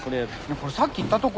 これさっき行ったとこ。